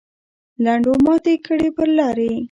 لنډو ماتې کړې پر لارې.